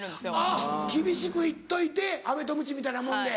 あぁ厳しくいっといてアメとムチみたいなもんで。